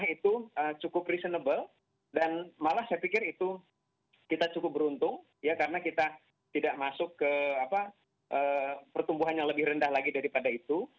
itu cukup reasonable dan malah saya pikir itu kita cukup beruntung ya karena kita tidak masuk ke pertumbuhan yang lebih rendah lagi daripada itu